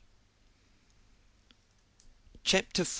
CHAPTER IV.